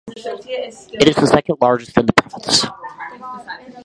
It is the second largest in the province.